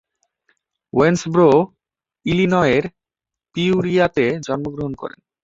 Owensboro ইলিনয়ের পিওরিয়াতে জন্মগ্রহণ করেন।